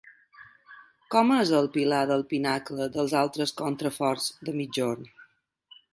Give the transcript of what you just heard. Com és el pilar del pinacle dels altres contraforts de migjorn?